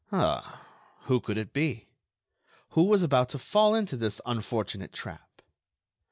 Ah! Who could it be? Who was about to fall into this unfortunate trap?